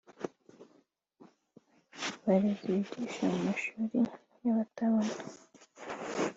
Abarezi bigisha mu mashuli y’abatabona